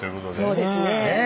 そうですねはい。